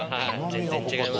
全然違いますね。